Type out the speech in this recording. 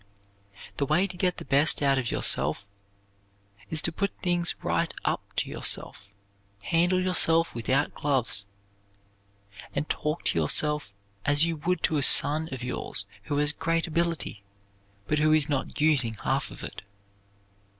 The way to get the best out of yourself is to put things right up to yourself, handle yourself without gloves, and talk to yourself as you would to a son of yours who has great ability but who is not using half of it.